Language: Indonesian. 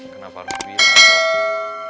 kenapa harus bilang